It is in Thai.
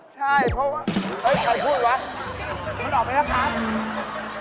ใช่เพราะว่าเฮ้ยใครพูดวะ